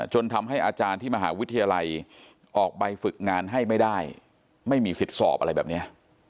จนทำให้อาจารย์ที่มหาวิทยาลัยออกใบฝึกงานให้ไม่ได้ไม่มีสิทธิ์สอบอะไรแบบนี้